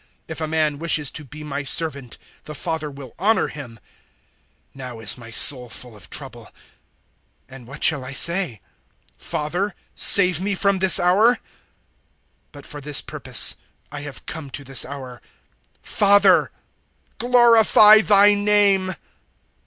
If a man wishes to be my servant, the Father will honour him. 012:027 Now is my soul full of trouble; and what shall I say? Father, save me from this hour. But for this purpose I have come to this hour. 012:028 Father, glorify Thy name."